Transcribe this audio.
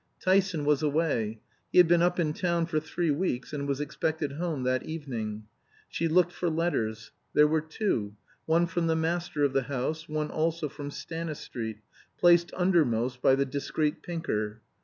Tyson was away; he had been up in town for three weeks, and was expected home that evening. She looked for letters. There were two one from the master of the house; one also from Stanistreet, placed undermost by the discreet Pinker.